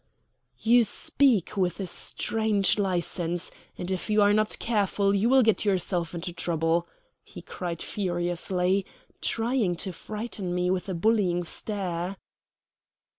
"You speak with a strange license, and if you are not careful you will get yourself into trouble!" he cried furiously, trying to frighten me with a bullying stare.